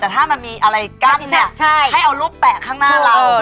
แต่ถ้ามันมีอะไรกั้นเนี่ยให้เอารูปแปะข้างหน้าเรา